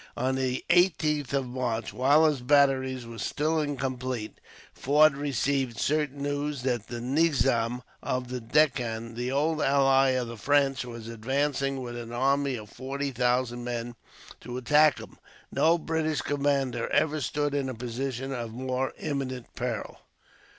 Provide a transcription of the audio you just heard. On the 18th of March, while his batteries were still incomplete, Forde received certain news that the Nizam of the Deccan, the old ally of the French, was advancing with an army of forty thousand men to attack him. No British commander ever stood in a position of more imminent peril.